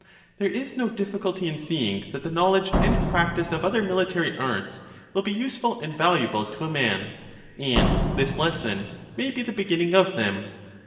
There is no difficulty in seeing that the knowledge and practice 92 LACHES of other military arts will be useful and valuable to a man ; and this lesson may be the beginning of them.